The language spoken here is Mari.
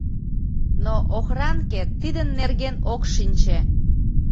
— Но охранке тидын нерген ок шинче.